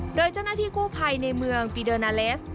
โดยเจ้าหน้าที่กู้ภัยในเมืองปีเดอร์นาเลส